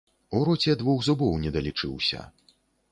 У роце двух зубоў недалічыўся.